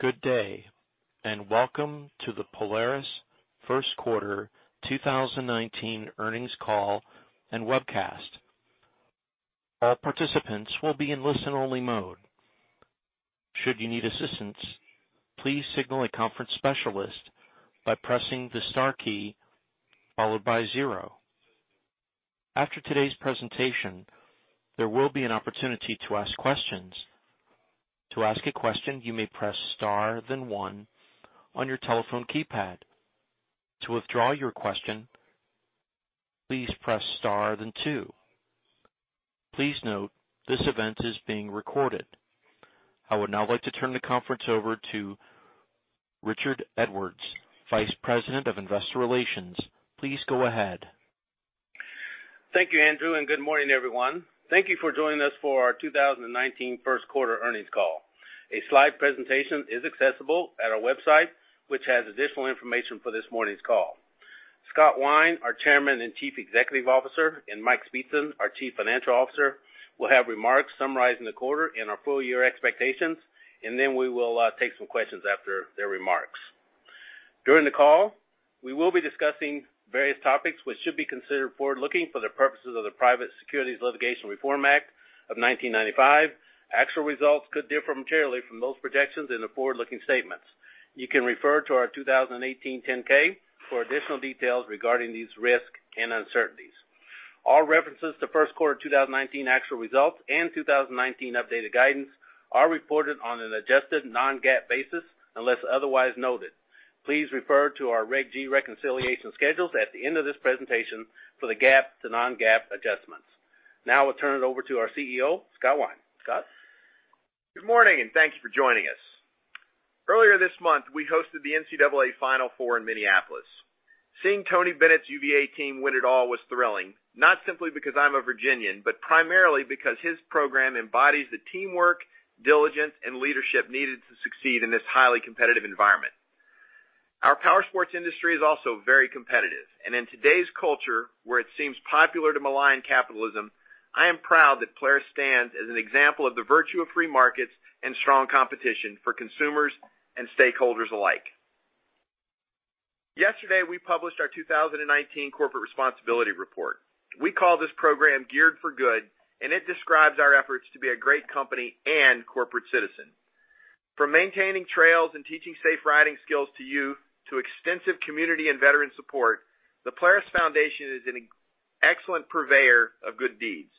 Good day, and welcome to the Polaris first quarter 2019 earnings call and webcast. All participants will be in listen-only mode. Should you need assistance, please signal a conference specialist by pressing the star key followed by 0. After today's presentation, there will be an opportunity to ask questions. To ask a question, you may press star then 1 on your telephone keypad. To withdraw your question, please press star then 2. Please note, this event is being recorded. I would now like to turn the conference over to Richard Edwards, Vice President of Investor Relations. Please go ahead. Thank you, Andrew, and good morning, everyone. Thank you for joining us for our 2019 first quarter earnings call. A slide presentation is accessible at our website, which has additional information for this morning's call. Scott Wine, our Chairman and Chief Executive Officer, and Mike Speetzen, our Chief Financial Officer, will have remarks summarizing the quarter and our full-year expectations, and then we will take some questions after their remarks. During the call, we will be discussing various topics which should be considered forward-looking for the purposes of the Private Securities Litigation Reform Act of 1995. Actual results could differ materially from those projections and the forward-looking statements. You can refer to our 2018 10-K for additional details regarding these risks and uncertainties. All references to first quarter 2019 actual results and 2019 updated guidance are reported on an adjusted non-GAAP basis unless otherwise noted. Please refer to our Regulation G reconciliation schedules at the end of this presentation for the GAAP to non-GAAP adjustments. Now I'll turn it over to our CEO, Scott Wine. Scott? Good morning and thank you for joining us. Earlier this month, we hosted the NCAA Final Four in Minneapolis. Seeing Tony Bennett's UVA team win it all was thrilling, not simply because I'm a Virginian, but primarily because his program embodies the teamwork, diligence, and leadership needed to succeed in this highly competitive environment. Our powersports industry is also very competitive, and in today's culture, where it seems popular to malign capitalism, I am proud that Polaris stands as an example of the virtue of free markets and strong competition for consumers and stakeholders alike. Yesterday, we published our 2019 corporate responsibility report. We call this program Geared for Good, and it describes our efforts to be a great company and corporate citizen. From maintaining trails and teaching safe riding skills to youth, to extensive community and veteran support, The Polaris Foundation is an excellent purveyor of good deeds.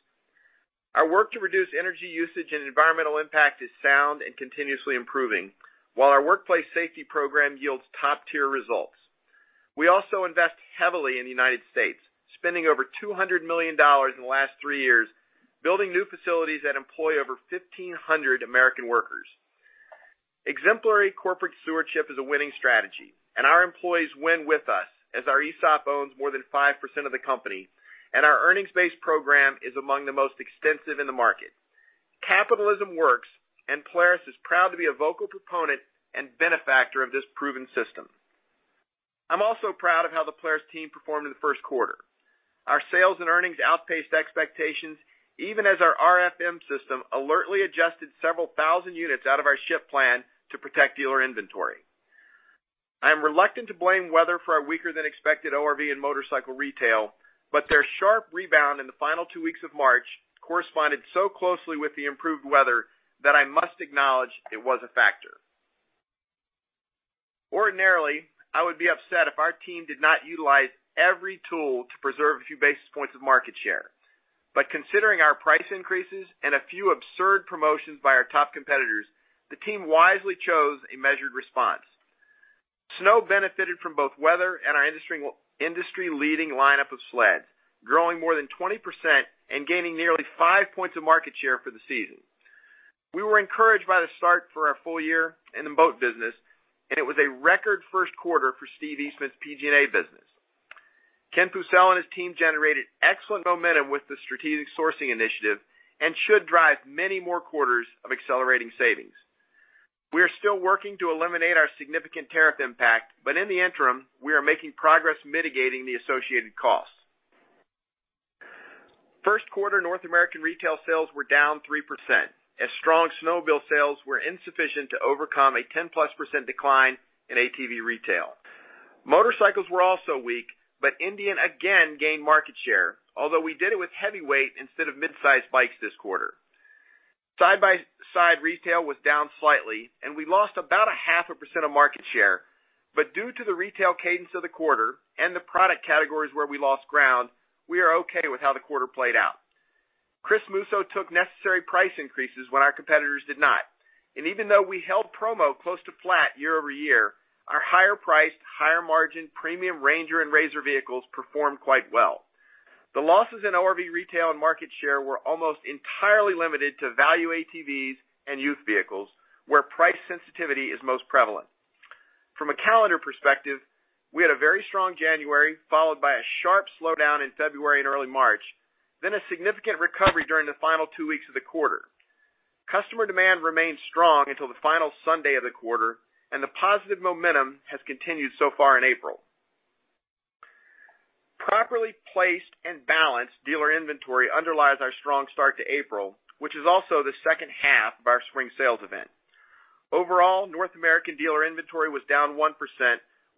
Our work to reduce energy usage and environmental impact is sound and continuously improving, while our workplace safety program yields top-tier results. We also invest heavily in the U.S., spending over $200 million in the last three years building new facilities that employ over 1,500 American workers. Exemplary corporate stewardship is a winning strategy, and our employees win with us as our ESOP owns more than 5% of the company and our earnings-based program is among the most extensive in the market. Capitalism works, and Polaris is proud to be a vocal proponent and benefactor of this proven system. I am also proud of how the Polaris team performed in the first quarter. Our sales and earnings outpaced expectations, even as our RFM system alertly adjusted several thousand units out of our ship plan to protect dealer inventory. I am reluctant to blame weather for our weaker than expected ORV and motorcycle retail, but their sharp rebound in the final two weeks of March corresponded so closely with the improved weather that I must acknowledge it was a factor. Ordinarily, I would be upset if our team did not utilize every tool to preserve a few basis points of market share. Considering our price increases and a few absurd promotions by our top competitors, the team wisely chose a measured response. Snow benefited from both weather and our industry-leading lineup of sleds, growing more than 20% and gaining nearly 5 points of market share for the season. We were encouraged by the start for our full year in the boat business, and it was a record first quarter for Steve Eastman's PG&A business. Ken Pucel and his team generated excellent momentum with the strategic sourcing initiative and should drive many more quarters of accelerating savings. We are still working to eliminate our significant tariff impact, but in the interim, we are making progress mitigating the associated costs. First quarter North American retail sales were down 3% as strong snowmobile sales were insufficient to overcome a 10-plus percent decline in ATV retail. Motorcycles were also weak, but Indian again gained market share, although we did it with heavyweight instead of mid-size bikes this quarter. Side-by-side retail was down slightly, and we lost about a half a percent of market share. Due to the retail cadence of the quarter and the product categories where we lost ground, we are okay with how the quarter played out. Chris Musso took necessary price increases when our competitors did not, and even though we held promo close to flat year-over-year, our higher priced, higher margin premium Ranger and RZR vehicles performed quite well. The losses in ORV retail and market share were almost entirely limited to value ATVs and youth vehicles, where price sensitivity is most prevalent. From a calendar perspective, we had a very strong January, followed by a sharp slowdown in February and early March, then a significant recovery during the final two weeks of the quarter. Customer demand remained strong until the final Sunday of the quarter, and the positive momentum has continued so far in April. Properly placed and balanced dealer inventory underlies our strong start to April, which is also the second half of our spring sales event. Overall, North American dealer inventory was down 1%,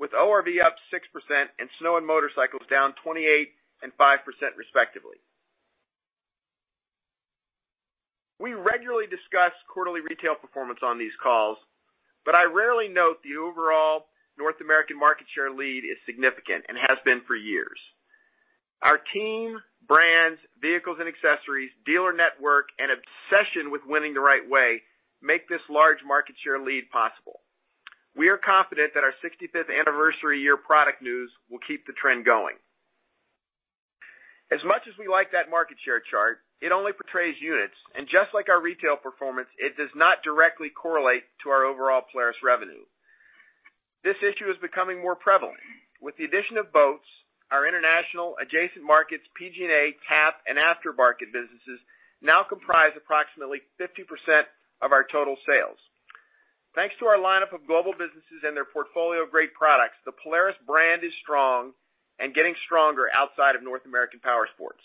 with ORV up 6% and snow and motorcycles down 28% and 5% respectively. We regularly discuss quarterly retail performance on these calls, but I rarely note the overall North American market share lead is significant and has been for years. Our team, brands, vehicles and accessories, dealer network, and obsession with winning the right way, make this large market share lead possible. We are confident that our 65th anniversary year product news will keep the trend going. As much as we like that market share chart, it only portrays units, and just like our retail performance, it does not directly correlate to our overall Polaris revenue. This issue is becoming more prevalent. With the addition of boats, our international adjacent markets, PG&A, TAP, and aftermarket businesses now comprise approximately 50% of our total sales. Thanks to our lineup of global businesses and their portfolio of great products, the Polaris brand is strong and getting stronger outside of North American powersports.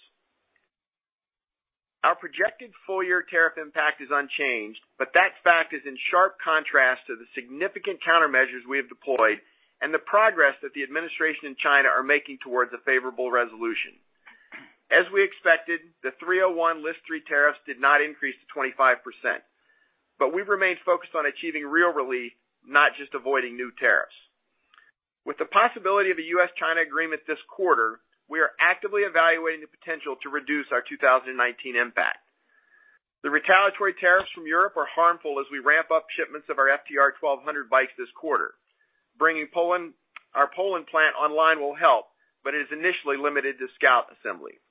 Our projected full-year tariff impact is unchanged. That fact is in sharp contrast to the significant countermeasures we have deployed and the progress that the administration in China are making towards a favorable resolution. As we expected, the 301 List 3 tariffs did not increase to 25%. We remain focused on achieving real relief, not just avoiding new tariffs. With the possibility of a U.S.-China agreement this quarter, we are actively evaluating the potential to reduce our 2019 impact. The retaliatory tariffs from Europe are harmful as we ramp up shipments of our FTR 1200 bikes this quarter. Bringing our Poland plant online will help, but is initially limited to Scout assembly.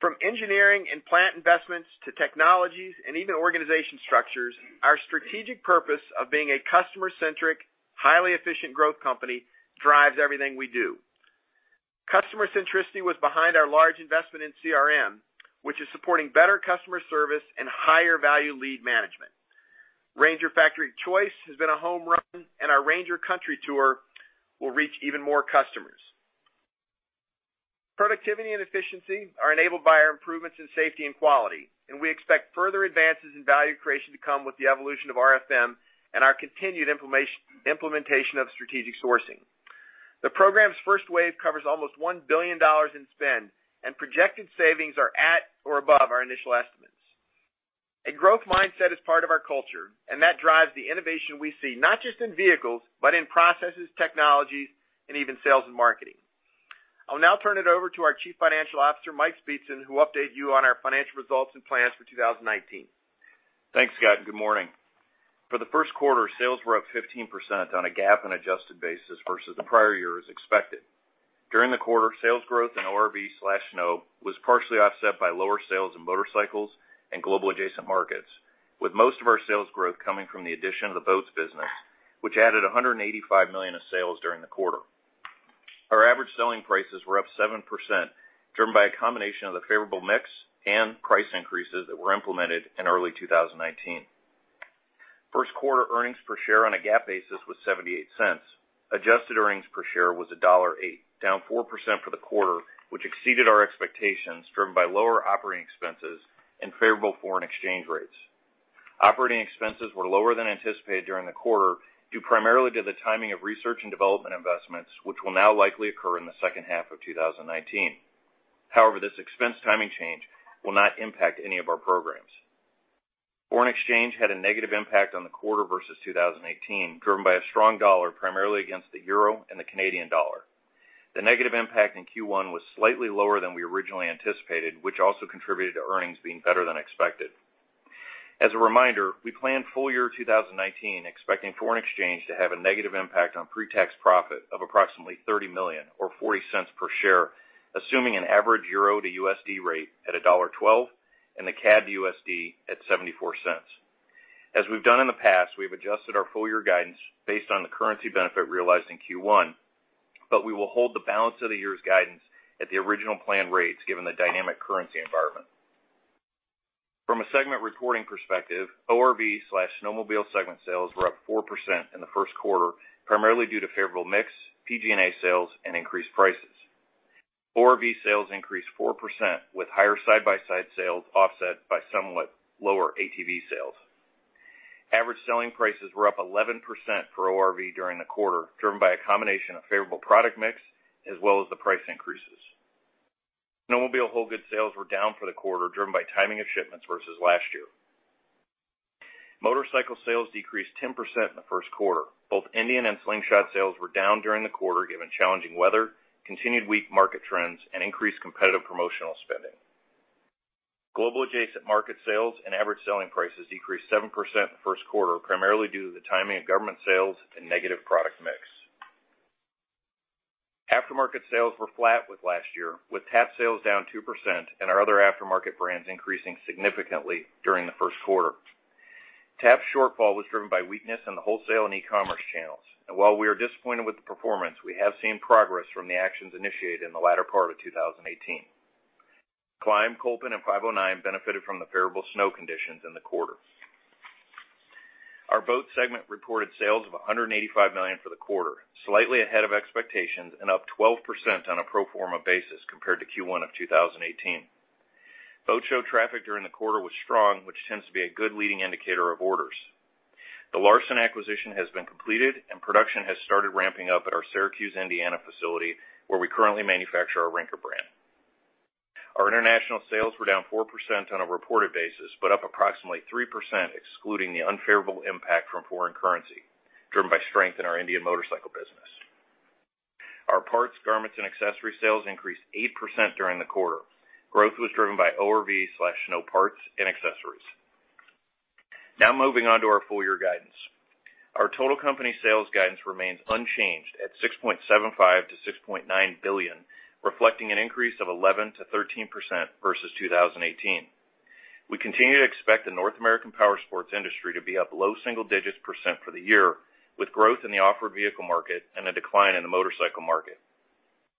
From engineering and plant investments to technologies and even organization structures, our strategic purpose of being a customer-centric, highly efficient growth company drives everything we do. Customer centricity was behind our large investment in CRM, which is supporting better customer service and higher value lead management. Ranger Factory Choice has been a home run. Our Ranger Country tour will reach even more customers. Productivity and efficiency are enabled by our improvements in safety and quality. We expect further advances in value creation to come with the evolution of RFM and our continued implementation of strategic sourcing. The program's first wave covers almost $1 billion in spend. Projected savings are at or above our initial estimates. A growth mindset is part of our culture. That drives the innovation we see not just in vehicles, but in processes, technologies, and even sales and marketing. I'll now turn it over to our Chief Financial Officer, Mike Speetzen, who will update you on our financial results and plans for 2019. Thanks, Scott, and good morning. For the first quarter, sales were up 15% on a GAAP and adjusted basis versus the prior year as expected. During the quarter, sales growth in ORV/snow was partially offset by lower sales in motorcycles and global adjacent markets, with most of our sales growth coming from the addition of the boats business, which added $185 million of sales during the quarter. Our average selling prices were up 7%, driven by a combination of the favorable mix and price increases that were implemented in early 2019. First quarter earnings per share on a GAAP basis was $0.78. Adjusted earnings per share was $1.08, down 4% for the quarter, which exceeded our expectations, driven by lower operating expenses and favorable foreign exchange rates. Operating expenses were lower than anticipated during the quarter, due primarily to the timing of research and development investments, which will now likely occur in the second half of 2019. This expense timing change will not impact any of our programs. Foreign exchange had a negative impact on the quarter versus 2018, driven by a strong dollar, primarily against the EUR and the CAD. The negative impact in Q1 was slightly lower than we originally anticipated, which also contributed to earnings being better than expected. As a reminder, we plan full year 2019 expecting foreign exchange to have a negative impact on pre-tax profit of approximately $30 million or $0.40 per share, assuming an average EUR to USD rate at EUR 1.12 and the CAD to USD at CAD 0.74. As we've done in the past, we've adjusted our full year guidance based on the currency benefit realized in Q1, but we will hold the balance of the year's guidance at the original plan rates given the dynamic currency environment. From a segment reporting perspective, ORV/snowmobile segment sales were up 4% in the first quarter, primarily due to favorable mix, PG&A sales, and increased prices. ORV sales increased 4% with higher side-by-side sales offset by somewhat lower ATV sales. Average selling prices were up 11% for ORV during the quarter, driven by a combination of favorable product mix as well as the price increases. Snowmobile whole good sales were down for the quarter, driven by timing of shipments versus last year. Motorcycle sales decreased 10% in the first quarter. Both Indian and Slingshot sales were down during the quarter given challenging weather, continued weak market trends, and increased competitive promotional spending. Global adjacent market sales and average selling prices decreased 7% in the first quarter, primarily due to the timing of government sales and negative product mix. Aftermarket sales were flat with last year, with TAP sales down 2% and our other aftermarket brands increasing significantly during the first quarter. TAP shortfall was driven by weakness in the wholesale and e-commerce channels. While we are disappointed with the performance, we have seen progress from the actions initiated in the latter part of 2018. Klim, Kolpin, and 509 benefited from the favorable snow conditions in the quarter. Our boats segment reported sales of $185 million for the quarter, slightly ahead of expectations and up 12% on a pro forma basis compared to Q1 of 2018. Boat show traffic during the quarter was strong, which tends to be a good leading indicator of orders. The Larson acquisition has been completed, and production has started ramping up at our Syracuse, Indiana facility, where we currently manufacture our Rinker brand. Our international sales were down 4% on a reported basis, but up approximately 3% excluding the unfavorable impact from foreign currency, driven by strength in our Indian Motorcycle business. Our parts, garments, and accessory sales increased 8% during the quarter. Growth was driven by ORV/snow parts and accessories. Our full-year guidance. Our total company sales guidance remains unchanged at $6.75 billion-$6.9 billion, reflecting an increase of 11%-13% versus 2018. We continue to expect the North American powersports industry to be up low single digits percent for the year, with growth in the off-road vehicle market and a decline in the motorcycle market.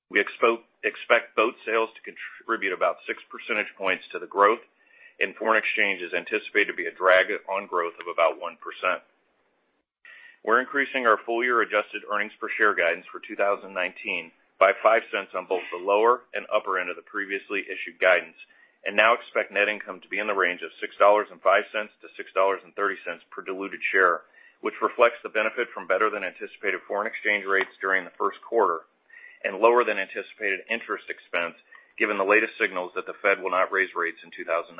We expect boat sales to contribute about six percentage points to the growth, foreign exchange is anticipated to be a drag on growth of about 1%. We're increasing our full-year adjusted earnings per share guidance for 2019 by $0.05 on both the lower and upper end of the previously issued guidance and now expect net income to be in the range of $6.05-$6.30 per diluted share, which reflects the benefit from better-than-anticipated foreign exchange rates during the first quarter and lower-than-anticipated interest expense, given the latest signals that the Fed will not raise rates in 2019.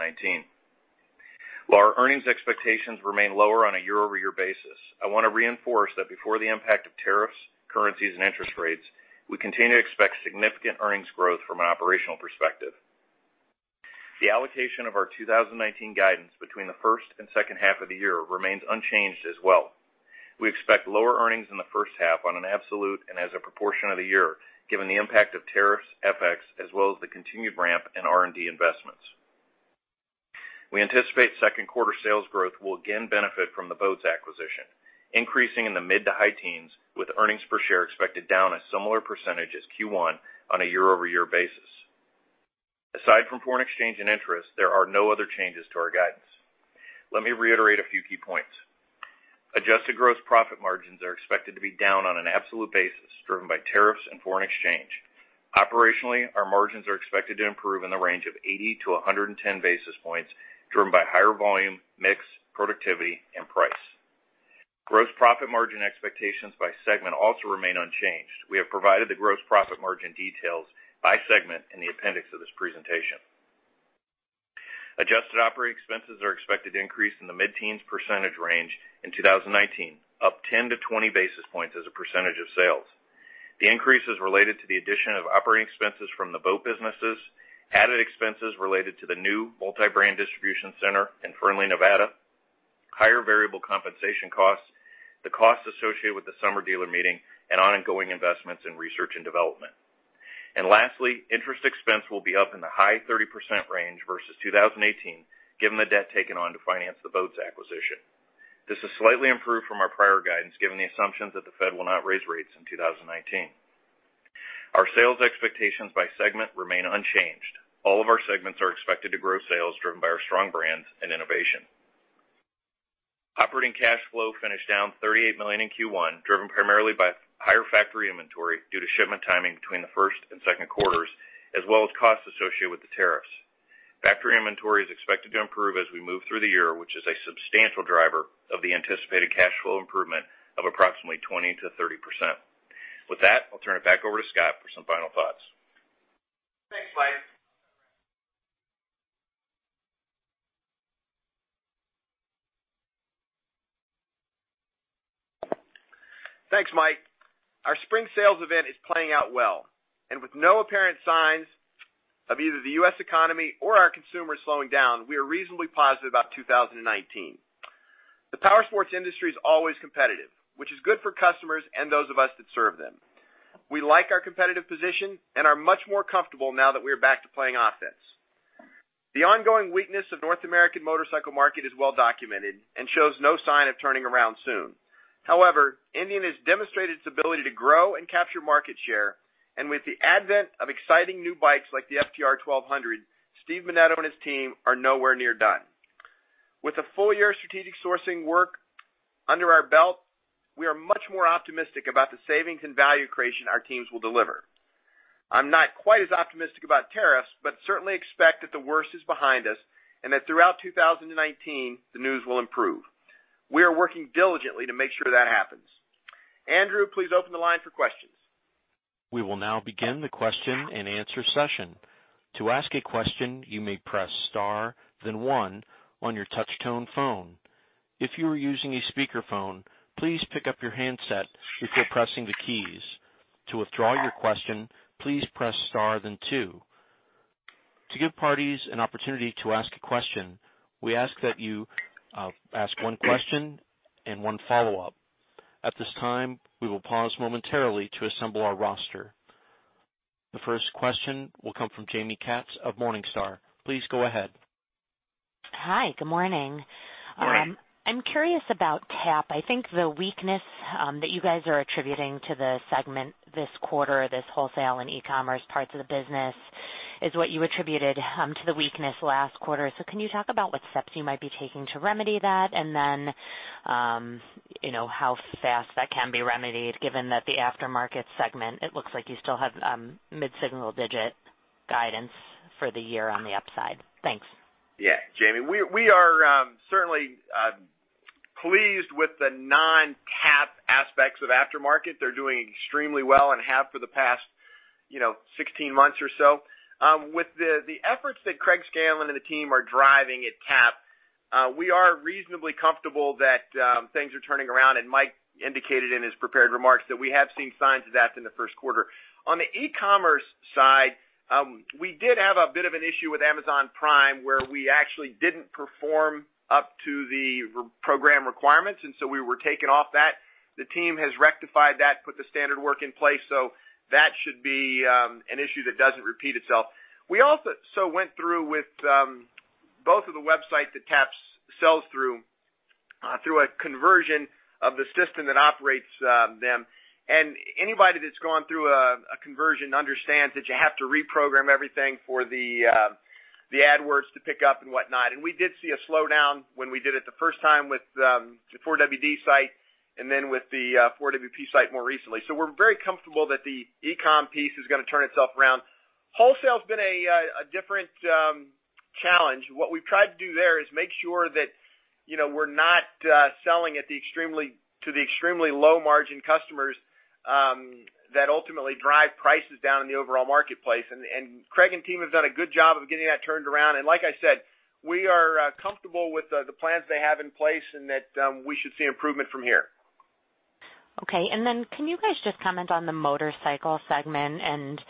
While our earnings expectations remain lower on a year-over-year basis, I want to reinforce that before the impact of tariffs, currencies, and interest rates, we continue to expect significant earnings growth from an operational perspective. The allocation of our 2019 guidance between the first and second half of the year remains unchanged as well. We expect lower earnings in the first half on an absolute and as a proportion of the year, given the impact of tariffs, FX, as well as the continued ramp in R&D investments. We anticipate second quarter sales growth will again benefit from the boats acquisition, increasing in the mid to high teens, with earnings per share expected down a similar percentage as Q1 on a year-over-year basis. Aside from foreign exchange and interest, there are no other changes to our guidance. Let me reiterate a few key points. Adjusted gross profit margins are expected to be down on an absolute basis, driven by tariffs and foreign exchange. Operationally, our margins are expected to improve in the range of 80-110 basis points, driven by higher volume, mix, productivity, and price. Gross profit margin expectations by segment also remain unchanged. We have provided the gross profit margin details by segment in the appendix of this presentation. Adjusted operating expenses are expected to increase in the mid-teens percentage range in 2019, up 10-20 basis points as a percentage of sales. The increase is related to the addition of operating expenses from the boat businesses, added expenses related to the new multi-brand distribution center in Fernley, Nevada, higher variable compensation costs, the costs associated with the summer dealer meeting, and ongoing investments in research and development. Lastly, interest expense will be up in the high 30% range versus 2018, given the debt taken on to finance the boats acquisition. This is slightly improved from our prior guidance, given the assumptions that the Fed will not raise rates in 2019. Our sales expectations by segment remain unchanged. All of our segments are expected to grow sales driven by our strong brands and innovation. Operating cash flow finished down $38 million in Q1, driven primarily by higher factory inventory due to shipment timing between the first and second quarters, as well as costs associated with the tariffs. Factory inventory is expected to improve as we move through the year, which is a substantial driver of the anticipated cash flow improvement of approximately 20%-30%. With that, I'll turn it back over to Scott for some final thoughts. Thanks, Mike. Our spring sales event is playing out well, with no apparent signs of either the U.S. economy or our consumers slowing down, we are reasonably positive about 2019. The powersports industry is always competitive, which is good for customers and those of us that serve them. We like our competitive position and are much more comfortable now that we are back to playing offense. The ongoing weakness of North American motorcycle market is well documented and shows no sign of turning around soon. However, Indian has demonstrated its ability to grow and capture market share, with the advent of exciting new bikes like the FTR 1200, Steve Menneto and his team are nowhere near done. With a full-year strategic sourcing work under our belt, we are much more optimistic about the savings and value creation our teams will deliver. I'm not quite as optimistic about tariffs but certainly expect that the worst is behind us and that throughout 2019, the news will improve. We are working diligently to make sure that happens. Andrew, please open the line for questions. We will now begin the question and answer session. To ask a question, you may press star, then one on your touch-tone phone. If you are using a speakerphone, please pick up your handset before pressing the keys. To withdraw your question, please press star, then two. To give parties an opportunity to ask a question, we ask that you, ask one question and one follow-up. At this time, we will pause momentarily to assemble our roster. The first question will come from Jaime Katz of Morningstar. Please go ahead. Hi, good morning. Morning. I'm curious about TAP. I think the weakness that you guys are attributing to the segment this quarter, this wholesale and e-commerce parts of the business is what you attributed to the weakness last quarter. Can you talk about what steps you might be taking to remedy that? How fast that can be remedied, given that the aftermarket segment, it looks like you still have mid-single-digit guidance for the year on the upside. Thanks. Yeah, Jaime. We are certainly pleased with the non-TAP aspects of aftermarket. They're doing extremely well and have for the past 16 months or so. With the efforts that Craig Scanlon and the team are driving at TAP, we are reasonably comfortable that things are turning around. Mike indicated in his prepared remarks that we have seen signs of that in the first quarter. On the e-commerce side, we did have a bit of an issue with Amazon Prime, where we actually didn't perform up to the program requirements. We were taken off that. The team has rectified that, put the standard work in place. That should be an issue that doesn't repeat itself. We also went through with both of the websites that TAP sells through a conversion of the system that operates them. Anybody that's gone through a conversion understands that you have to reprogram everything for the AdWords to pick up and whatnot. We did see a slowdown when we did it the first time with the 4WP site and then with the 4WP site more recently. We're very comfortable that the e-com piece is going to turn itself around. Wholesale's been a different challenge. What we've tried to do there is make sure that we're not selling to the extremely low-margin customers that ultimately drive prices down in the overall marketplace. Craig and team have done a good job of getting that turned around. Like I said, we are comfortable with the plans they have in place and that we should see improvement from here. Okay. Can you guys just comment on the motorcycle segment and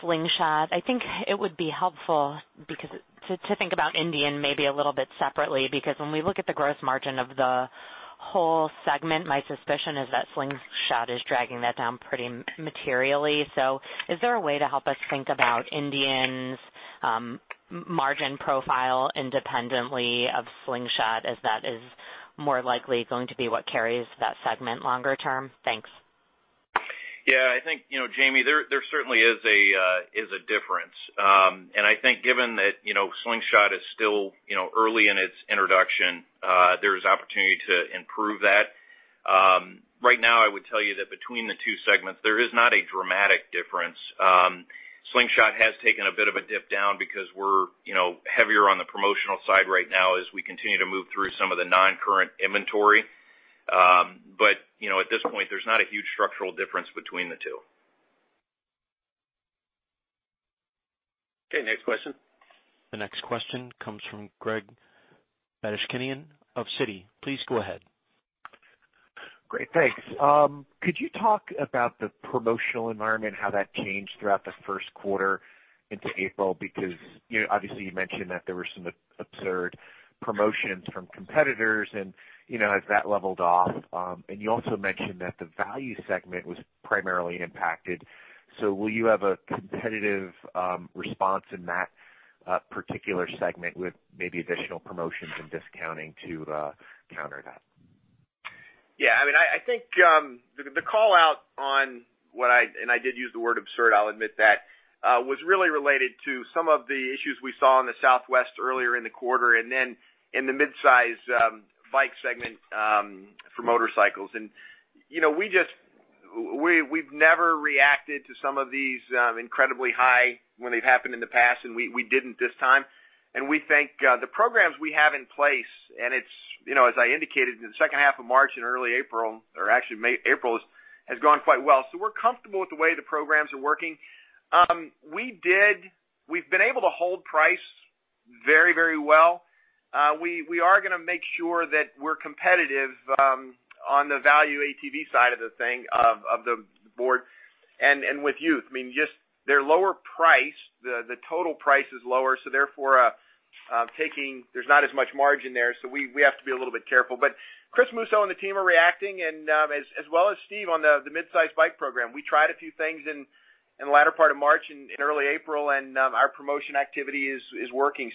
Slingshot? I think it would be helpful to think about Indian Motorcycle maybe a little bit separately, because when we look at the gross margin of the whole segment, my suspicion is that Slingshot is dragging that down pretty materially. Is there a way to help us think about Indian Motorcycle's margin profile independently of Slingshot, as that is more likely going to be what carries that segment longer term? Thanks. Yeah, I think Jaime, there certainly is a difference. I think given that Slingshot is still early in its introduction, there's opportunity to improve that. Right now, I would tell you that between the two segments, there is not a dramatic difference. Slingshot has taken a bit of a dip down because we're heavier on the promotional side right now as we continue to move through some of the non-current inventory. At this point, there's not a huge structural difference between the two. Okay, next question. The next question comes from Gregory Badishkanian of Citi. Please go ahead. Great. Thanks. Could you talk about the promotional environment, how that changed throughout the first quarter into April? Obviously you mentioned that there were some absurd promotions from competitors and has that leveled off? You also mentioned that the value segment was primarily impacted. Will you have a competitive response in that particular segment with maybe additional promotions and discounting to counter that? Yeah, I think the callout on what I did use the word absurd, I'll admit that, was really related to some of the issues we saw in the Southwest earlier in the quarter and then in the mid-size bike segment for motorcycles. We've never reacted to some of these incredibly high when they've happened in the past, and we didn't this time. We think the programs we have in place, and as I indicated in the second half of March and early April, or actually April, has gone quite well. We're comfortable with the way the programs are working. We've been able to hold price very well. We are going to make sure that we're competitive on the value ATV side of the thing, of the board and with youth. They're lower price, the total price is lower, so therefore there's not as much margin there, so we have to be a little bit careful. Chris Musso and the team are reacting, and as well as Steve on the mid-size bike program. We tried a few things in the latter part of March and in early April, and our promotion activity is working.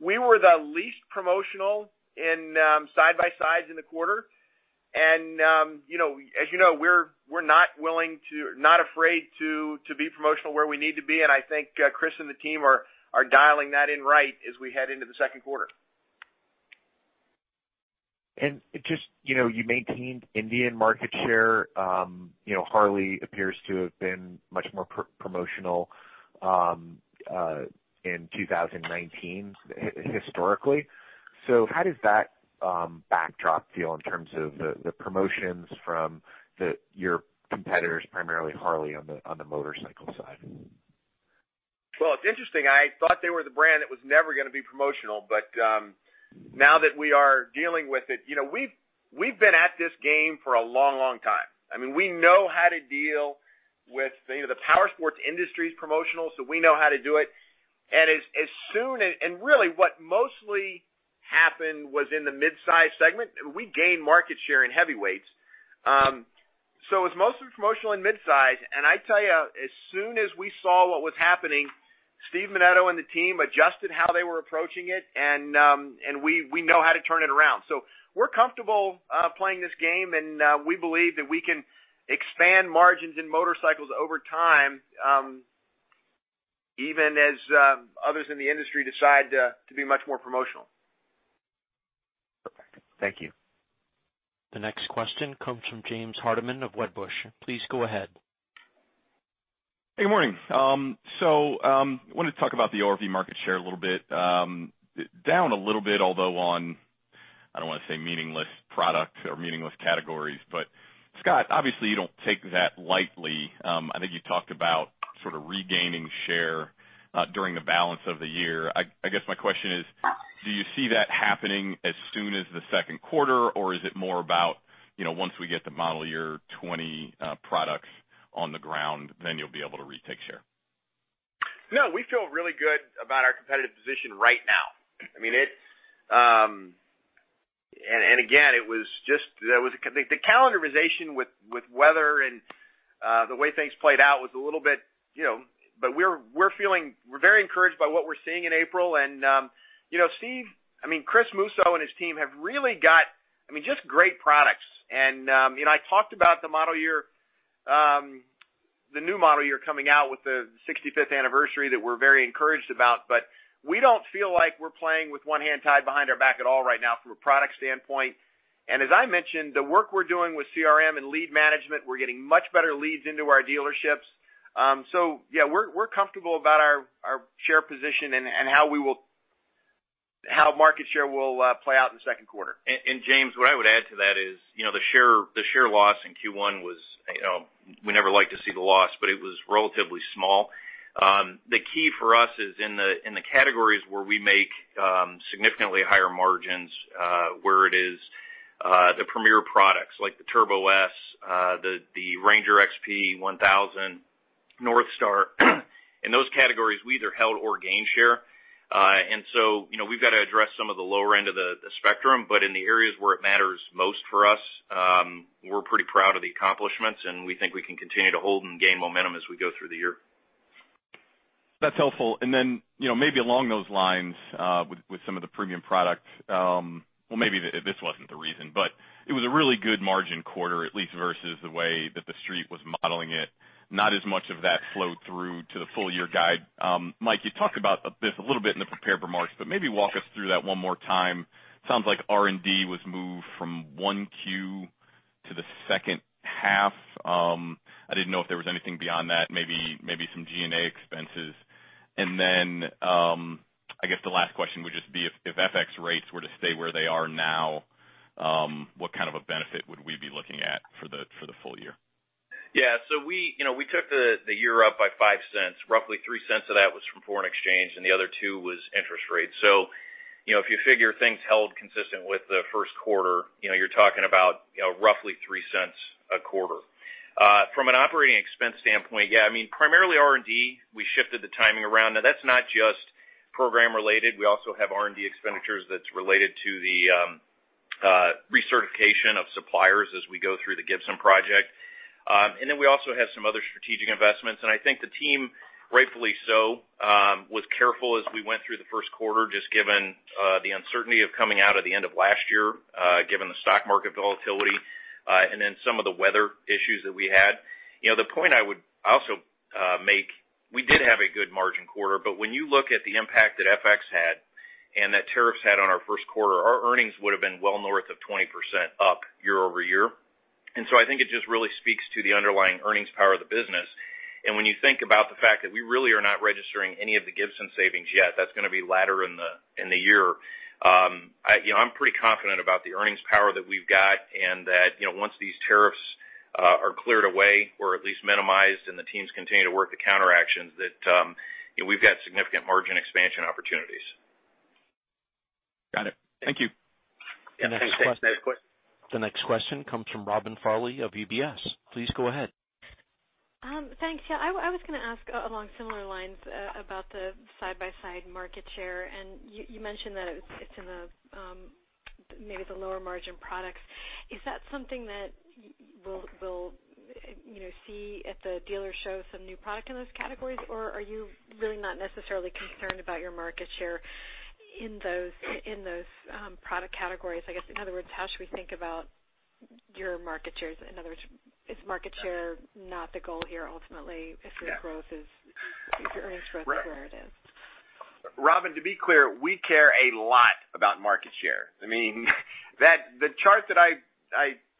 We were the least promotional in side-by-sides in the quarter. As you know, we're not afraid to be promotional where we need to be, and I think Chris and the team are dialing that in right as we head into the second quarter. Just you maintained Indian market share. Harley appears to have been much more promotional in 2019 historically. How does that backdrop feel in terms of the promotions from your competitors, primarily Harley on the motorcycle side? Well, it's interesting. I thought they were the brand that was never going to be promotional. Now that we are dealing with it, we've been at this game for a long time. We know how to deal with the powersports industry's promotional, so we know how to do it. Really what mostly happened was in the mid-size segment. We gained market share in heavyweights. It was mostly promotional in mid-size, and I tell you, as soon as we saw what was happening, Steve Menneto and the team adjusted how they were approaching it, and we know how to turn it around. We're comfortable playing this game, and we believe that we can expand margins in motorcycles over time even as others in the industry decide to be much more promotional. Thank you. The next question comes from James Hardiman of Wedbush. Please go ahead. Hey, good morning. wanted to talk about the ORV market share a little bit. Down a little bit, although on, I don't want to say meaningless product or meaningless categories. Scott, obviously you don't take that lightly. I think you talked about sort of regaining share during the balance of the year. I guess my question is, do you see that happening as soon as the second quarter, or is it more about once we get the model year 2020 products on the ground, you'll be able to retake share? No, we feel really good about our competitive position right now. again, the calendarization with weather and the way things played out was a little bit We're very encouraged by what we're seeing in April. Chris Musso and his team have really got just great products. I talked about the new model year coming out with the 65th anniversary that we're very encouraged about. We don't feel like we're playing with one hand tied behind our back at all right now from a product standpoint. as I mentioned, the work we're doing with CRM and lead management, we're getting much better leads into our dealerships. yeah, we're comfortable about our share position and how market share will play out in the second quarter. James, what I would add to that is, the share loss in Q1 was, we never like to see the loss, but it was relatively small. The key for us is in the categories where we make significantly higher margins, where it is the premier products like the Turbo S, the Ranger XP 1000, NorthStar. In those categories, we either held or gained share. We've got to address some of the lower end of the spectrum, but in the areas where it matters most for us, we're pretty proud of the accomplishments, and we think we can continue to hold and gain momentum as we go through the year. That's helpful. Then, maybe along those lines, with some of the premium products. Well, maybe this wasn't the reason, but it was a really good margin quarter, at least versus the way that the street was modeling it. Not as much of that flowed through to the full year guide. Mike, you talked about this a little bit in the prepared remarks, but maybe walk us through that one more time. Sounds like R&D was moved from 1Q to the second half. I didn't know if there was anything beyond that, maybe some G&A expenses. I guess the last question would just be if FX rates were to stay where they are now, what kind of a benefit would we be looking at for the full year? Yeah. We took the year up by $0.05. Roughly $0.03 of that was from foreign exchange, and the other two was interest rates. If you figure things held consistent with the first quarter, you're talking about roughly $0.03 a quarter. From an operating expense standpoint, yeah, primarily R&D, we shifted the timing around. That's not just program related. We also have R&D expenditures that's related to the recertification of suppliers as we go through the Gibson project. We also have some other strategic investments, I think the team, rightfully so, was careful as we went through the first quarter, just given the uncertainty of coming out of the end of last year, given the stock market volatility, then some of the weather issues that we had. The point I would also make, we did have a good margin quarter, but when you look at the impact that FX had and that tariffs had on our first quarter, our earnings would've been well north of 20% up year-over-year. I think it just really speaks to the underlying earnings power of the business. When you think about the fact that we really are not registering any of the Gibson savings yet, that's going to be latter in the year. I'm pretty confident about the earnings power that we've got and that once these tariffs are cleared away or at least minimized and the teams continue to work the counteractions, that we've got significant margin expansion opportunities. Got it. Thank you. Yeah. Thanks. Next question. The next question comes from Robin Farley of UBS. Please go ahead. Thanks. Yeah, I was going to ask along similar lines about the side-by-side market share, and you mentioned that it's in maybe the lower margin products. Is that something that we'll see at the dealer show some new product in those categories, or are you really not necessarily concerned about your market share in those product categories? I guess, in other words, how should we think about your market shares? In other words, is market share not the goal here ultimately if your earnings growth is where it is? Robin, to be clear, we care a lot about market share. The chart that I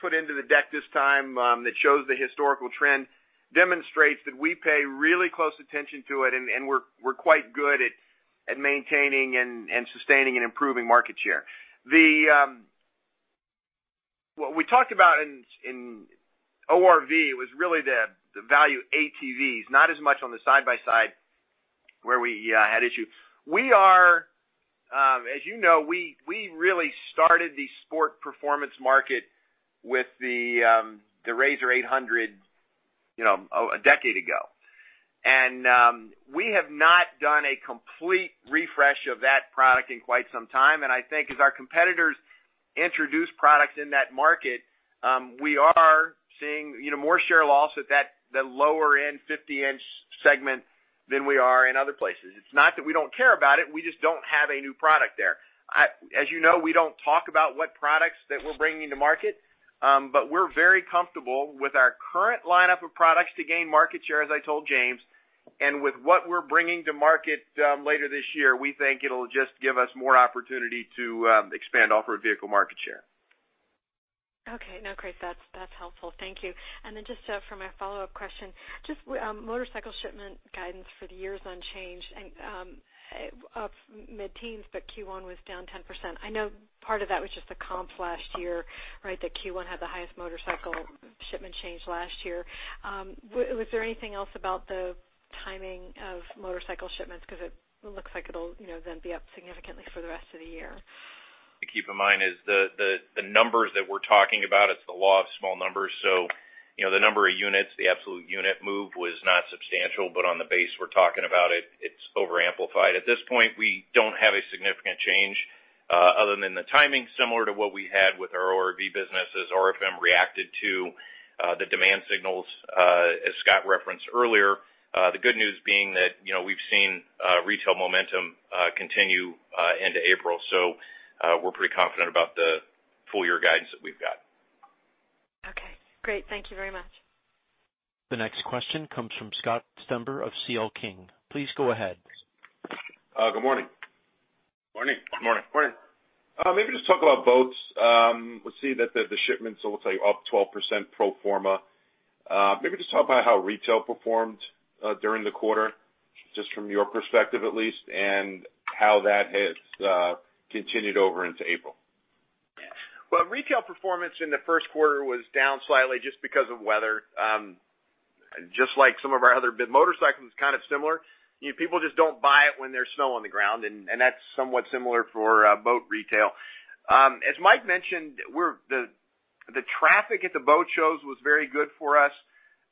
put into the deck this time that shows the historical trend demonstrates that we pay really close attention to it and we're quite good at maintaining and sustaining and improving market share. What we talked about in ORV was really the value ATVs, not as much on the side by side where we had issues. As you know, we really started the sport performance market with the RZR 800 a decade ago. We have not done a complete refresh of that product in quite some time. I think as our competitors introduce products in that market, we are seeing more share loss at that lower end 50-inch segment than we are in other places. It's not that we don't care about it. We just don't have a new product there. As you know, we don't talk about what products that we're bringing to market. We're very comfortable with our current lineup of products to gain market share, as I told James. With what we're bringing to market later this year, we think it'll just give us more opportunity to expand off-road vehicle market share. Okay. No, great. That's helpful. Thank you. Just for my follow-up question, motorcycle shipment guidance for the year is unchanged and up mid-teens, but Q1 was down 10%. I know part of that was just the comps last year, right? That Q1 had the highest motorcycle shipment change last year. Was there anything else about the timing of motorcycle shipments? It looks like it'll then be up significantly for the rest of the year. To keep in mind is the numbers that we're talking about, it's the law of small numbers. The number of units, the absolute unit move was not substantial, but on the base we're talking about it's over-amplified. At this point, we don't have a significant change other than the timing, similar to what we had with our ORV business as RFM reacted to the demand signals, as Scott referenced earlier. The good news being that we've seen retail momentum continue into April. We're pretty confident about the full-year guidance that we've got. Okay, great. Thank you very much. The next question comes from Scott Stember of CL King Please go ahead. Good morning. Morning. Good morning. Morning. Just talk about boats. We see that the shipments, I will tell you, up 12% pro forma. Just talk about how retail performed during the quarter, just from your perspective at least, and how that has continued over into April. Well, retail performance in the first quarter was down slightly just because of weather. Just like some of our other bit motorcycles, kind of similar. People just don't buy it when there's snow on the ground, that's somewhat similar for boat retail. As Mike mentioned, the traffic at the boat shows was very good for us.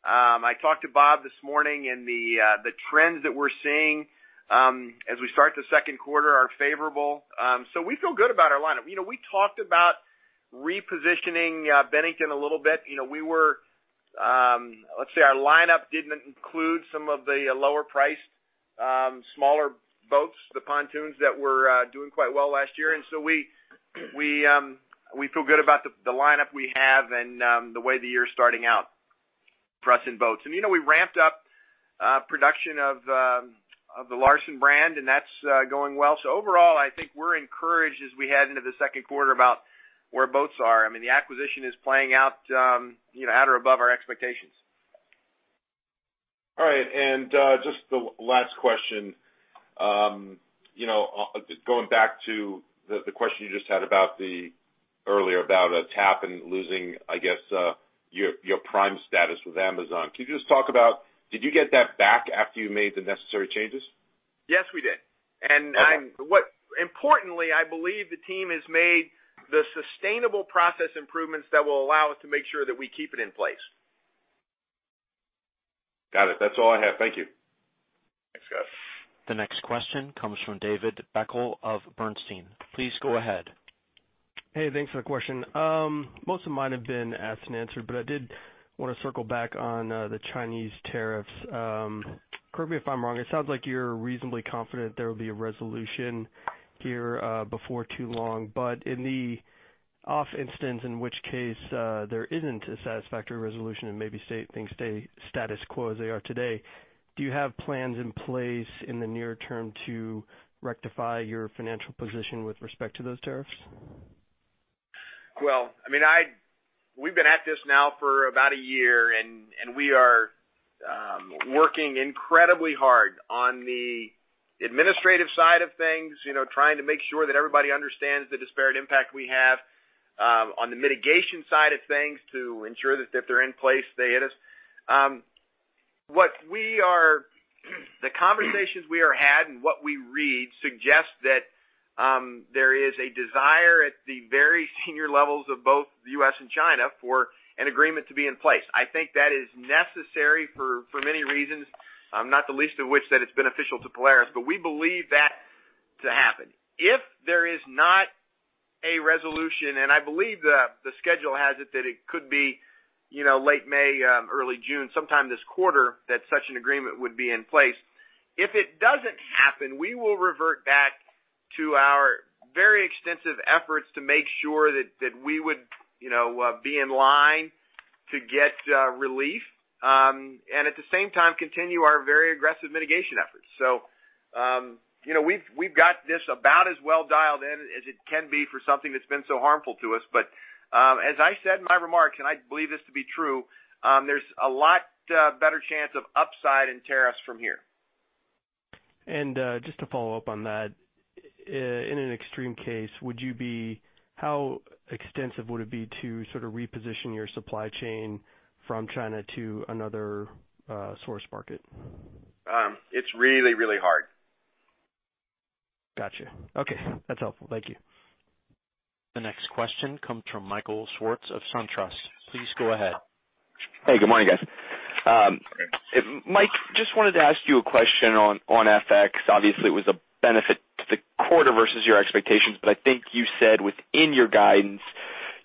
I talked to Bob this morning, the trends that we're seeing as we start the second quarter are favorable. We feel good about our lineup. We talked about repositioning Bennington a little bit. Let's say our lineup didn't include some of the lower priced, smaller boats, the pontoons that were doing quite well last year. We feel good about the lineup we have and the way the year's starting out for us in boats. We ramped up production of the Larson brand, that's going well. Overall, I think we're encouraged as we head into the second quarter about where boats are. I mean, the acquisition is playing out at or above our expectations. Just the last question. Going back to the question you just had earlier about TAP and losing, I guess, your prime status with Amazon. Can you just talk about did you get that back after you made the necessary changes? Yes, we did. Okay. Importantly, I believe the team has made the sustainable process improvements that will allow us to make sure that we keep it in place. Got it. That's all I have. Thank you. Thanks, Scott. The next question comes from David Beckel of Bernstein. Please go ahead. Hey, thanks for the question. Most of mine have been asked and answered, but I did want to circle back on the Chinese tariffs. Correct me if I'm wrong, it sounds like you're reasonably confident there will be a resolution here before too long, but in the off instance, in which case there isn't a satisfactory resolution and maybe things stay status quo as they are today, do you have plans in place in the near term to rectify your financial position with respect to those tariffs? Well, we've been at this now for about a year, and we are working incredibly hard on the administrative side of things, trying to make sure that everybody understands the disparate impact we have on the mitigation side of things to ensure that if they're in place, they hit us. The conversations we are had and what we read suggests that there is a desire at the very senior levels of both the U.S. and China for an agreement to be in place. I think that is necessary for many reasons, not the least of which that it's beneficial to Polaris, but we believe that to happen. If there is not a resolution, and I believe the schedule has it that it could be late May, early June, sometime this quarter, that such an agreement would be in place. If it doesn't happen, we will revert back to our very extensive efforts to make sure that we would be in line to get relief. At the same time, continue our very aggressive mitigation efforts. We've got this about as well dialed in as it can be for something that's been so harmful to us. As I said in my remarks, and I believe this to be true, there's a lot better chance of upside in tariffs from here. Just to follow up on that. In an extreme case, how extensive would it be to sort of reposition your supply chain from China to another source market? It's really, really hard. Got you. Okay. That's helpful. Thank you. The next question comes from Michael Swartz of SunTrust. Please go ahead. Hey, good morning, guys. Morning. Mike, just wanted to ask you a question on FX. Obviously, it was a benefit to the quarter versus your expectations, I think you said within your guidance,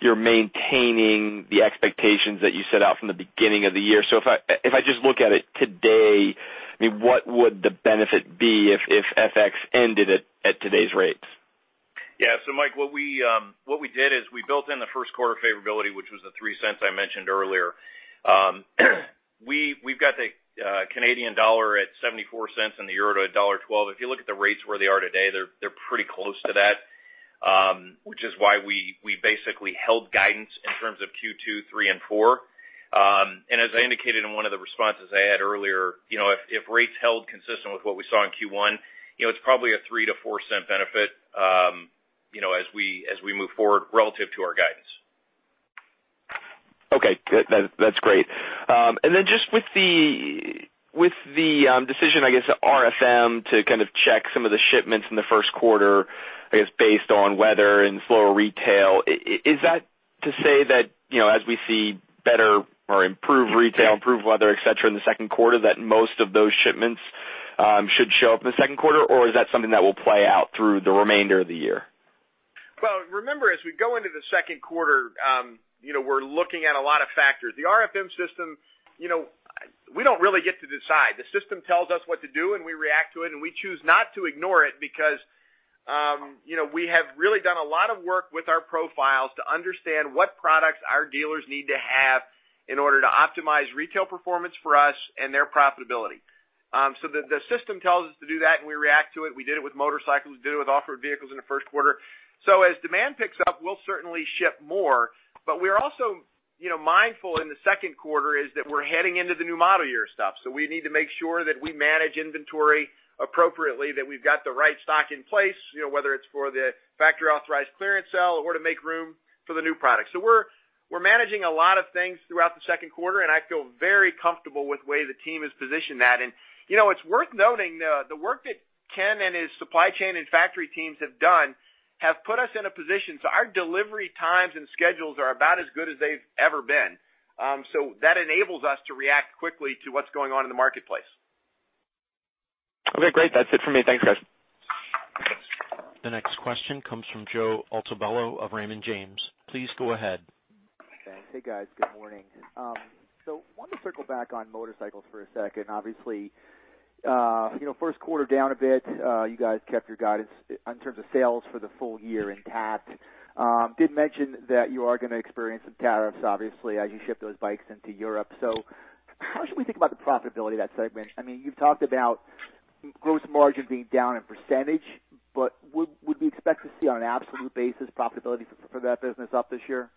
you're maintaining the expectations that you set out from the beginning of the year. If I just look at it today, what would the benefit be if FX ended at today's rate? Mike, what we did is we built in the first quarter favorability, which was the $0.03 I mentioned earlier. We've got the Canadian dollar at $0.74 and the euro to $1.12. If you look at the rates where they are today, they're pretty close to that, which is why we basically held guidance in terms of Q2, 3 and 4. As I indicated in one of the responses I had earlier, if rates held consistent with what we saw in Q1, it's probably a $0.03-$0.04 benefit as we move forward relative to our guidance. Just with the decision, I guess, the RFM to kind of check some of the shipments in the first quarter, I guess based on weather and slower retail. Is that to say that, as we see better or improved retail, improved weather, et cetera, in the second quarter, that most of those shipments should show up in the second quarter, or is that something that will play out through the remainder of the year? Remember, as we go into the second quarter, we're looking at a lot of factors. The RFM system, we don't really get to decide. The system tells us what to do, and we react to it, and we choose not to ignore it because we have really done a lot of work with our profiles to understand what products our dealers need to have in order to optimize retail performance for us and their profitability. The system tells us to do that, and we react to it. We did it with motorcycles. We did it with off-road vehicles in the first quarter. As demand picks up, we'll certainly ship more, but we're also mindful in the second quarter is that we're heading into the new model year stuff. We need to make sure that we manage inventory appropriately, that we've got the right stock in place, whether it's for the factory-authorized clearance sale or to make room for the new product. We're managing a lot of things throughout the second quarter, and I feel very comfortable with the way the team has positioned that. It's worth noting the work that Ken and his supply chain and factory teams have done have put us in a position so our delivery times and schedules are about as good as they've ever been. That enables us to react quickly to what's going on in the marketplace. Okay, great. That's it for me. Thanks, guys. The next question comes from Joseph Altobello of Raymond James. Please go ahead. Okay. Hey, guys. Good morning. Wanted to circle back on motorcycles for a second. Obviously, first quarter down a bit. You guys kept your guidance in terms of sales for the full year intact. Did mention that you are going to experience some tariffs, obviously, as you ship those bikes into Europe. How should we think about the profitability of that segment? You've talked about gross margin being down in percentage, but would we expect to see, on an absolute basis, profitability for that business up this year?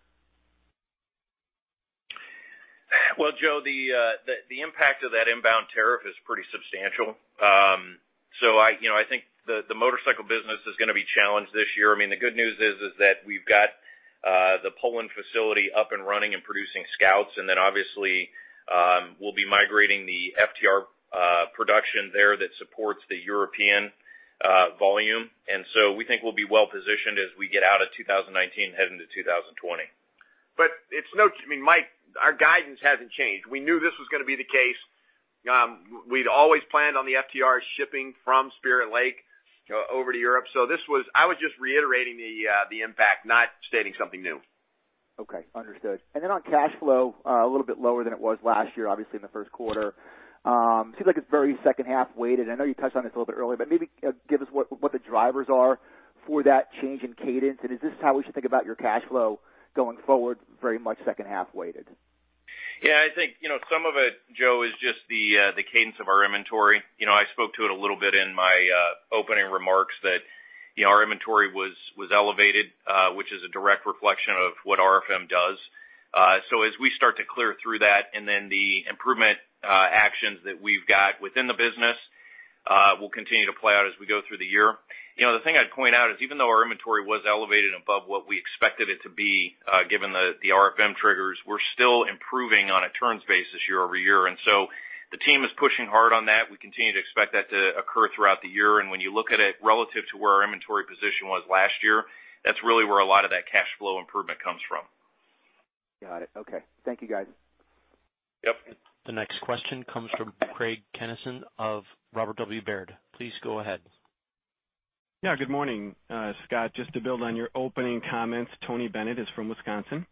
Joe, the impact of that inbound tariff is pretty substantial. I think the motorcycle business is going to be challenged this year. The good news is that we've got the Poland facility up and running and producing Scouts, obviously, we'll be migrating the FTR production there that supports the European volume. We think we'll be well-positioned as we get out of 2019 heading to 2020. Mike, our guidance hasn't changed. We knew this was going to be the case. We'd always planned on the FTR shipping from Spirit Lake over to Europe. I was just reiterating the impact, not stating something new. Okay, understood. On cash flow, a little bit lower than it was last year, obviously, in the first quarter. Seems like it's very second-half weighted. I know you touched on it a little bit earlier, maybe give us what the drivers are for that change in cadence, and is this how we should think about your cash flow going forward, very much second-half weighted? I think some of it, Joe, is just the cadence of our inventory. I spoke to it a little bit in my opening remarks that our inventory was elevated, which is a direct reflection of what RFM does. As we start to clear through that, the improvement actions that we've got within the business will continue to play out as we go through the year. The thing I'd point out is even though our inventory was elevated above what we expected it to be, given the RFM triggers, we're still improving on a turns basis year-over-year. The team is pushing hard on that. We continue to expect that to occur throughout the year. When you look at it relative to where our inventory position was last year, that's really where a lot of that cash flow improvement comes from. Got it. Okay. Thank you, guys. Yep. The next question comes from Craig Kennison of Robert W. Baird. Please go ahead. Yeah, good morning. Scott, just to build on your opening comments, Tony Bennett is from Wisconsin.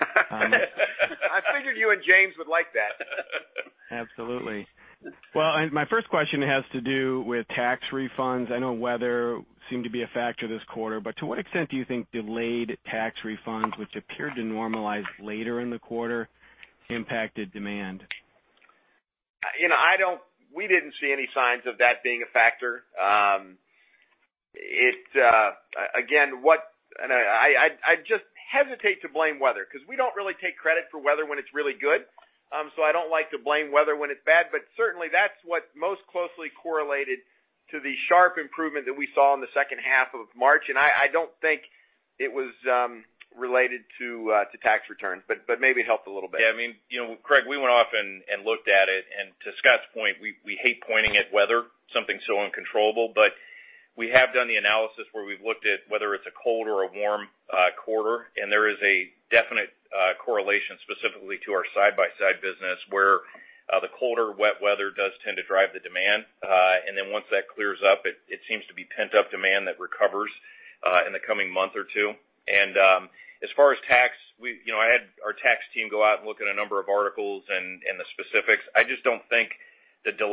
I figured you and James would like that. Absolutely. Well, my first question has to do with tax refunds. I know weather seemed to be a factor this quarter, but to what extent do you think delayed tax refunds, which appeared to normalize later in the quarter, impacted demand? We didn't see any signs of that being a factor. I just hesitate to blame weather because we don't really take credit for weather when it's really good. I don't like to blame weather when it's bad, but certainly that's what most closely correlated to the sharp improvement that we saw in the second half of March, and I don't think it was related to tax returns, but maybe it helped a little bit. Yeah. Craig, we went off and looked at it, and to Scott's point, we hate pointing at weather, something so uncontrollable. We have done the analysis where we've looked at whether it's a cold or a warm quarter, and there is a definite correlation specifically to our side-by-side business where the colder, wet weather does tend to drive the demand. Once that clears up, it seems to be pent-up demand that recovers in the coming month or two. As far as tax, I had our tax team go out and look at a number of articles and the specifics. I just don't think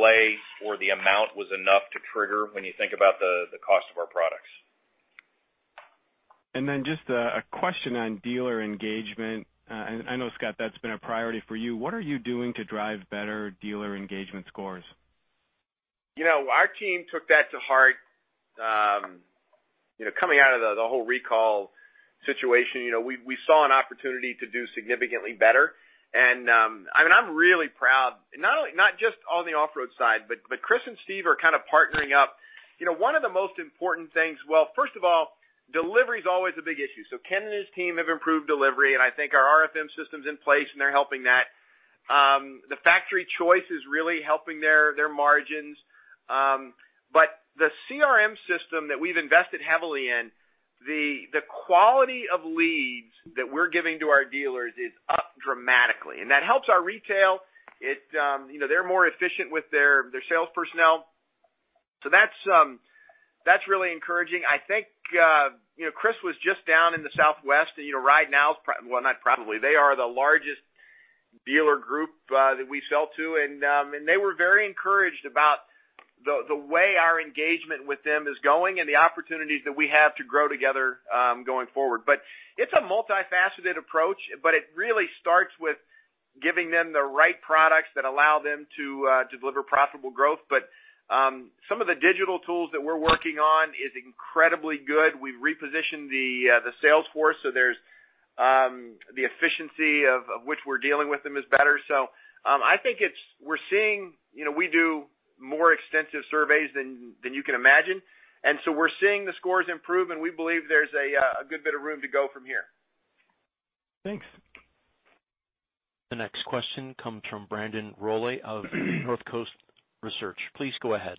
the delay for the amount was enough to trigger when you think about the cost of our products. Just a question on dealer engagement. I know, Scott, that's been a priority for you. What are you doing to drive better dealer engagement scores? Our team took that to heart. Coming out of the whole recall situation, we saw an opportunity to do significantly better. I'm really proud, not just on the off-road side, but Chris and Steve are kind of partnering up. One of the most important things first of all, delivery is always a big issue. Ken and his team have improved delivery, and I think our RFM system's in place, and they're helping that. The factory choice is really helping their margins. The CRM system that we've invested heavily in, the quality of leads that we're giving to our dealers is up dramatically. That helps our retail. They're more efficient with their sales personnel. That's really encouraging. I think Chris was just down in the Southwest. RideNow, they are the largest dealer group that we sell to. They were very encouraged about the way our engagement with them is going and the opportunities that we have to grow together going forward. It's a multifaceted approach, but it really starts with giving them the right products that allow them to deliver profitable growth. Some of the digital tools that we're working on is incredibly good. We repositioned the sales force, the efficiency of which we're dealing with them is better. I think we're seeing, we do more extensive surveys than you can imagine. We're seeing the scores improve, and we believe there's a good bit of room to go from here. Thanks. The next question comes from Brandon Rolli of North Coast Research. Please go ahead.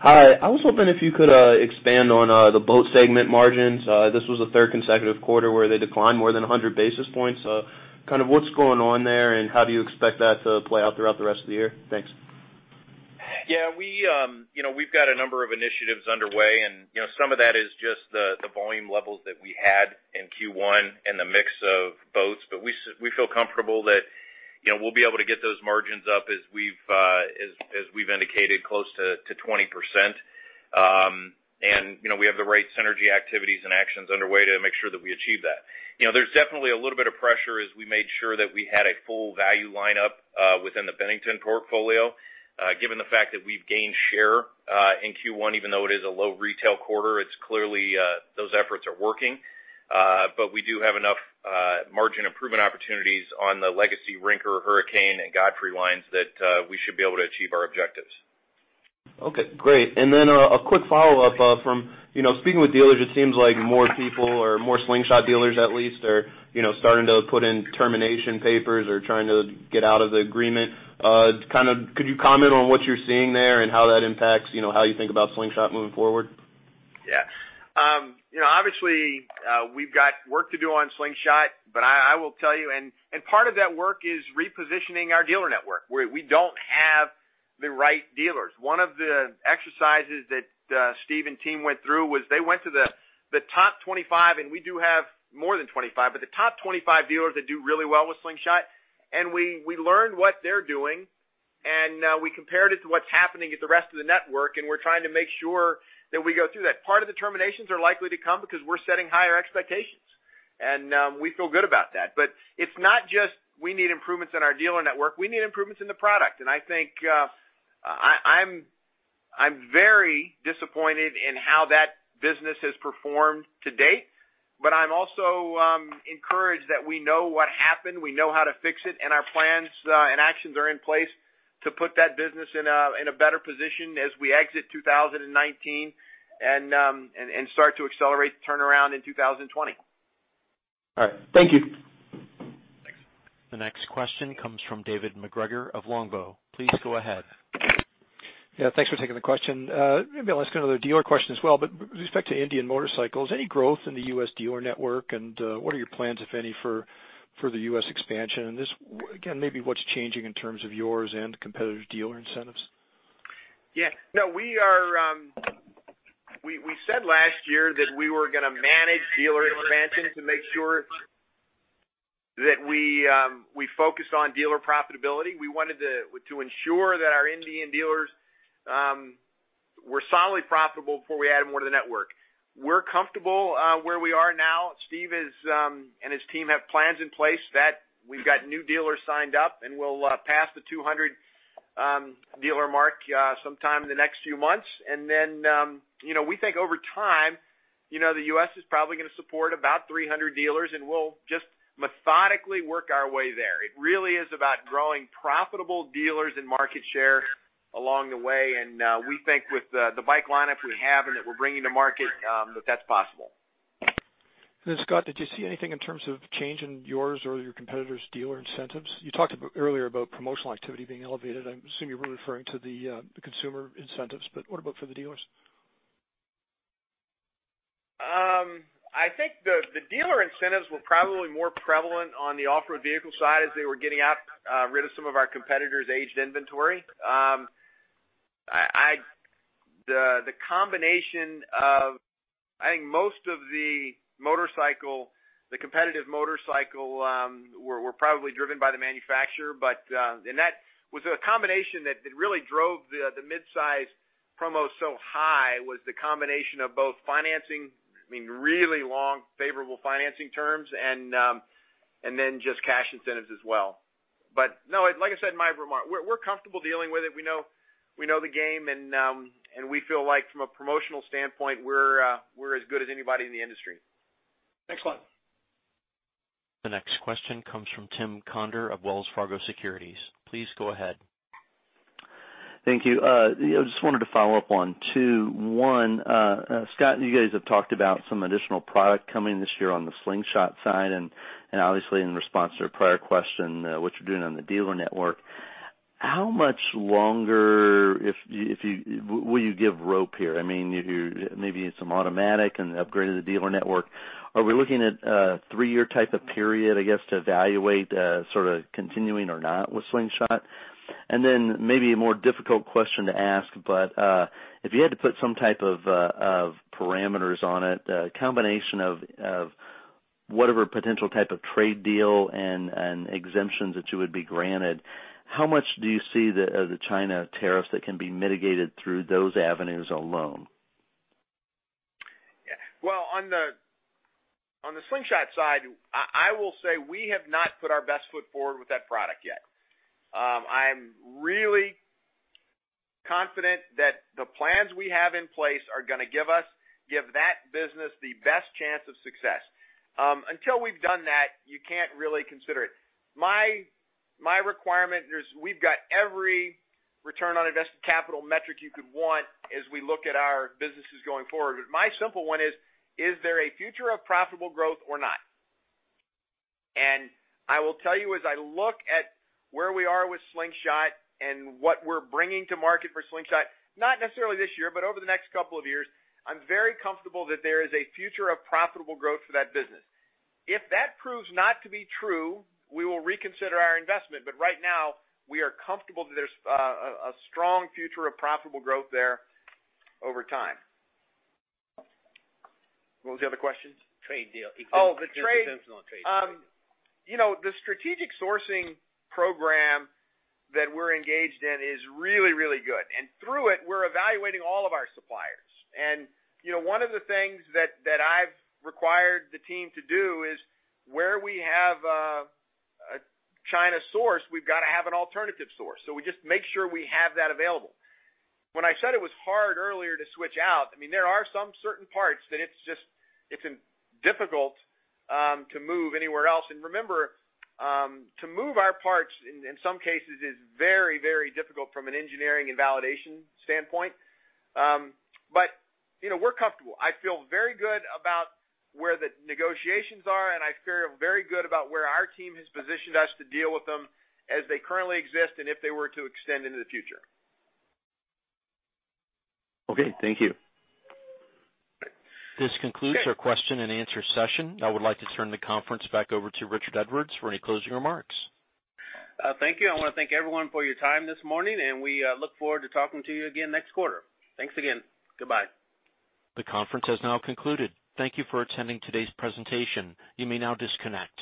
Hi. I was hoping if you could expand on the boat segment margins. This was the third consecutive quarter where they declined more than 100 basis points. Kind of what's going on there, and how do you expect that to play out throughout the rest of the year? Thanks. We've got a number of initiatives underway, and some of that is just the volume levels that we had in Q1 and the mix of boats. We feel comfortable that we'll be able to get those margins up as we've indicated, close to 20%. We have the right synergy activities and actions underway to make sure that we achieve that. There's definitely a little bit of pressure as we made sure that we had a full value lineup within the Bennington portfolio. Given the fact that we've gained share in Q1, even though it is a low retail quarter, it's clearly those efforts are working. We do have enough margin improvement opportunities on the legacy Rinker, Hurricane, and Godfrey lines that we should be able to achieve our objectives. Okay, great. A quick follow-up from speaking with dealers, it seems like more people or more Slingshot dealers at least are starting to put in termination papers or trying to get out of the agreement. Could you comment on what you're seeing there and how that impacts how you think about Slingshot moving forward? Yeah. Obviously, we've got work to do on Slingshot, but I will tell you, part of that work is repositioning our dealer network, where we don't have the right dealers. One of the exercises that Steve and team went through was they went to the top 25, and we do have more than 25, but the top 25 dealers that do really well with Slingshot. We learned what they're doing, we compared it to what's happening at the rest of the network, we're trying to make sure that we go through that. Part of the terminations are likely to come because we're setting higher expectations. We feel good about that. It's not just we need improvements in our dealer network. We need improvements in the product. I think I'm very disappointed in how that business has performed to date, I'm also encouraged that we know what happened, we know how to fix it, our plans and actions are in place to put that business in a better position as we exit 2019 and start to accelerate the turnaround in 2020. All right. Thank you. Thanks. The next question comes from David MacGregor of Longbow. Please go ahead. Yeah, thanks for taking the question. Maybe I'll ask another dealer question as well, but with respect to Indian Motorcycle, any growth in the U.S. dealer network, and what are your plans, if any, for the U.S. expansion? Just, again, maybe what's changing in terms of yours and competitive dealer incentives? Yeah. We said last year that we were going to manage dealer expansion to make sure that we focus on dealer profitability. We wanted to ensure that our Indian dealers were solidly profitable before we added more to the network. We're comfortable where we are now. Steve and his team have plans in place that we've got new dealers signed up, and we'll pass the 200 dealer mark sometime in the next few months. Then we think over time, the U.S. is probably going to support about 300 dealers, and we'll just methodically work our way there. It really is about growing profitable dealers and market share along the way. We think with the bike lineup we have and that we're bringing to market, that that's possible. Then, Scott, did you see anything in terms of change in yours or your competitors' dealer incentives? You talked earlier about promotional activity being elevated. I assume you were referring to the consumer incentives, but what about for the dealers? I think the dealer incentives were probably more prevalent on the off-road vehicle side as they were getting rid of some of our competitors' aged inventory. I think most of the competitive motorcycle were probably driven by the manufacturer. That was a combination that really drove the mid-size promo so high was the combination of both financing, really long favorable financing terms and then just cash incentives as well. No, like I said in my remark, we're comfortable dealing with it. We know the game and we feel like from a promotional standpoint, we're as good as anybody in the industry. Thanks a lot. The next question comes from Tim Conder of Wells Fargo Securities. Please go ahead. Thank you. I just wanted to follow up on two. One, Scott, you guys have talked about some additional product coming this year on the Slingshot side, obviously in response to a prior question, what you're doing on the dealer network. How much longer will you give rope here? Maybe some automatic and upgrading the dealer network. Are we looking at a 3-year type of period, I guess, to evaluate sort of continuing or not with Slingshot? Maybe a more difficult question to ask, but if you had to put some type of parameters on it, a combination of whatever potential type of trade deal and exemptions that you would be granted, how much do you see the China tariffs that can be mitigated through those avenues alone? On the Slingshot side, I will say we have not put our best foot forward with that product yet. I'm really confident that the plans we have in place are going to give that business the best chance of success. Until we've done that, you can't really consider it. My requirement is we've got every return on invested capital metric you could want as we look at our businesses going forward. My simple one is there a future of profitable growth or not? I will tell you as I look at where we are with Slingshot and what we're bringing to market for Slingshot, not necessarily this year, but over the next couple of years. I'm very comfortable that there is a future of profitable growth for that business. If that proves not to be true, we will reconsider our investment. Right now, we are comfortable that there's a strong future of profitable growth there over time. What was the other question? Trade deal exemption. Oh, the trade. Exemption on trade deal. The strategic sourcing program that we're engaged in is really, really good. Through it, we're evaluating all of our suppliers. One of the things that I've required the team to do is where we have a China source, we've got to have an alternative source. We just make sure we have that available. When I said it was hard earlier to switch out, there are some certain parts that it's difficult to move anywhere else. Remember, to move our parts in some cases is very, very difficult from an engineering and validation standpoint. We're comfortable. I feel very good about where the negotiations are, and I feel very good about where our team has positioned us to deal with them as they currently exist and if they were to extend into the future. Okay, thank you. This concludes our question and answer session. I would like to turn the conference back over to Richard Edwards for any closing remarks. Thank you. I want to thank everyone for your time this morning, and we look forward to talking to you again next quarter. Thanks again. Goodbye. The conference has now concluded. Thank you for attending today's presentation. You may now disconnect.